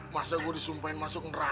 masa gue disumpahin masuk neraka